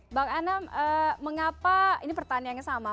mbak anam mengapa ini pertanyaannya sama